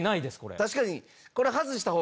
確かに。